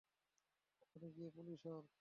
আপনি গিয়ে পুলিশ হন।